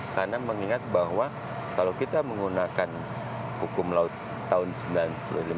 karena mengingat bahwa kalau kita menggunakan hukum laut tahun seribu sembilan ratus lima puluh delapan